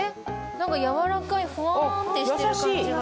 何か柔らかいふわんってしてる感じが。